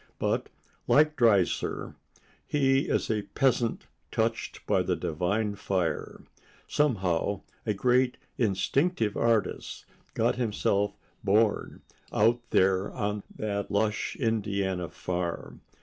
But, like Dreiser, he is a peasant touched by the divine fire; somehow, a great instinctive artist got himself born out there on that lush Indiana farm.